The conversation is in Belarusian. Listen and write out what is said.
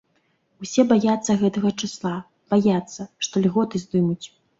Усе баяцца гэтага чысла, баяцца, што льготы здымуць.